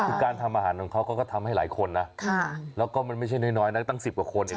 คือการทำอาหารของเขาเขาก็ทำให้หลายคนนะแล้วก็มันไม่ใช่น้อยนะตั้ง๑๐กว่าคนเอง